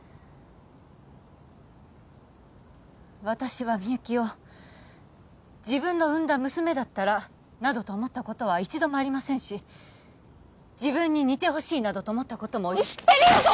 私はみゆきを自分の産んだ娘だったらなどと思ったことは一度もありませんし自分に似てほしいなどと思ったことも知ってるよ